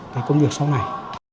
cái công việc sau này